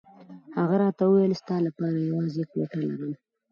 هغه راته وویل ستا لپاره یوازې کوټه لرم.